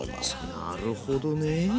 なるほどね。